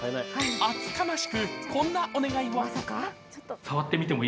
厚かましくこんなお願いを。